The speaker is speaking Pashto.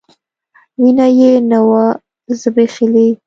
وينه يې نه وه ځبېښلې.